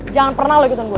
jangan pernah lagi ikutin gue